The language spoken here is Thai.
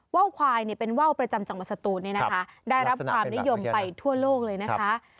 ว่าวประจำจังหวัดศัตรูนี้นะคะได้รับความนิยมไปทั่วโลกเลยนะคะ